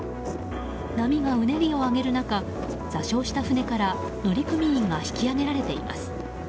波がうねりをあげる中座礁した船から乗組員が引き上げられています。